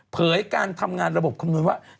ยการทำงานระบบคำนวณว่า